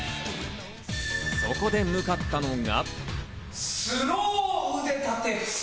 そこで向かったのが。